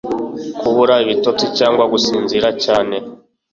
Kubura ibitotsi cyangwa gusinzira cyane